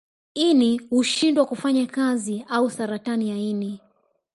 Ini hushindwa kufanya kazi au saratani ya ini